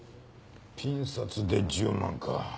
ピン札で１０万か。